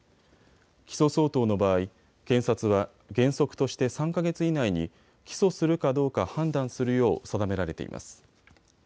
起訴相当の場合、検察は原則として３か月以内に起訴するかどうか判断するよう定められています。